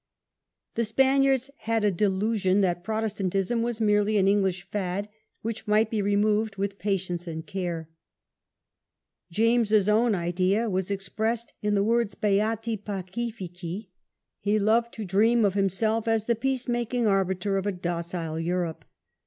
The Spaniards had a delusion that Protestantism was merely an English fad, which might be removed with patience and care. James's own idea was expressed in the w^ords ^^beati t pacificV\ He loved to dream of himself as the peace The king's making arbiter of a docile Europe.